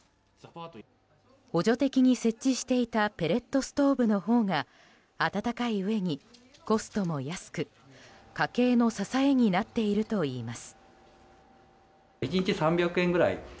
補助的に設置していたペレットストーブのほうが暖かいうえにコストも安く家計の支えになっているといいます。